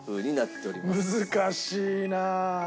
難しいなあ。